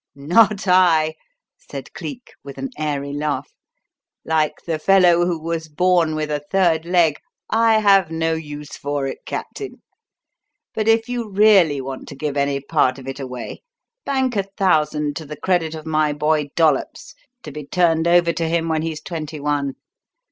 "Not I," said Cleek, with an airy laugh. "Like the fellow who was born with a third leg, 'I have no use for it,' Captain. But if you really want to give any part of it away, bank a thousand to the credit of my boy Dollops to be turned over to him when he's twenty one.